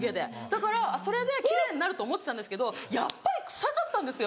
だからそれで奇麗になると思ってたんですけどやっぱり臭かったんですよ。